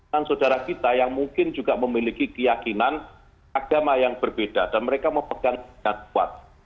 dan saudara kita yang mungkin juga memiliki keyakinan agama yang berbeda dan mereka memegangnya dengan kuat